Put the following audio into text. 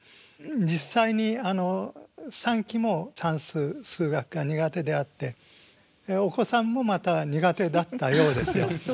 実際に三鬼も算数数学が苦手であってお子さんもまた苦手だったようですよ。